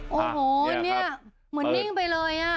โอ้โหเนี่ยเหมือนนิ่งไปเลย